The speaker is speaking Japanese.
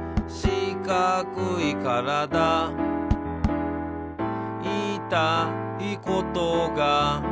「しかくいからだ」「いいたいことが」